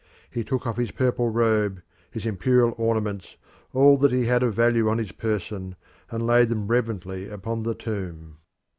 He took off his purple robe, his imperial ornaments, all that he had of value on his person, and laid them reverently upon the tomb.